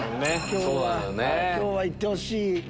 今日は行ってほしい。